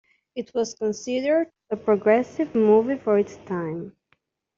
It was considered a progressive movie for its time.